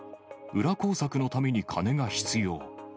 裏工作のために金が必要。